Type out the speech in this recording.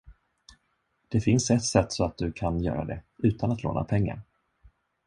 Det finns ett sätt så att du kan göra det, utan att låna pengar.